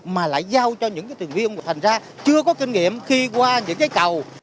mà lại giao cho những cái thuyền viên thành ra chưa có kinh nghiệm khi qua những cái cầu